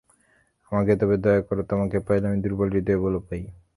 আমাকে তবে দয়া করো, তোমাকে পাইলে আমি দুর্বল হৃদয়ে বল পাই।